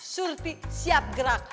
surti siap gerak